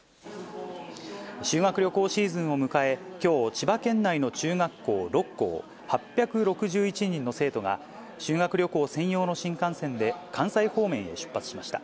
修学旅行シーズンを迎え、きょう、千葉県内の中学校６校８６１人の生徒が、修学旅行専用の新幹線で、関西方面へ出発しました。